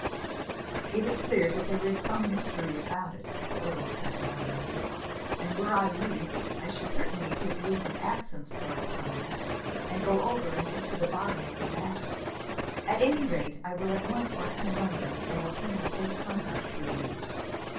"It is clear that there is some mystery about it," the earl said warmly, "and were I you, I should certainly take leave of absence, for a time, and go over and get to the bottom of the matter. At any rate, I will at once write to London and obtain a safe conduct for you.